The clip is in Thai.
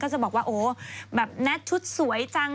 จะบอกว่าโอ้แบบแน็ตชุดสวยจัง